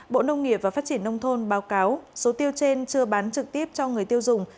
bộ nông nghiệp và phát triển nông thôn báo cáo số tiêu trên chưa bán trực tiếp cho người tiêu dùng